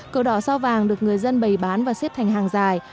cờ đỏ sao vàng được người dân bày bán và xếp thành hàng dài